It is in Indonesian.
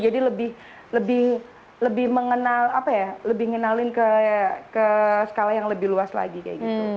jadi lebih mengenal apa ya lebih ngenalin ke skala yang lebih luas lagi kayak gitu